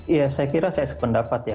ya saya kira saya sependapat ya